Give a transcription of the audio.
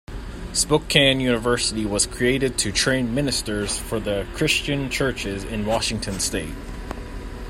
Spokane University was created to train ministers for the Christian Churches in Washington State.